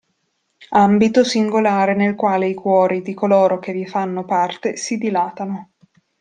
Ambito singolare nel quale i cuori di coloro che vi fanno parte si dilatano.